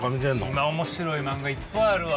今面白い漫画いっぱいあるわ！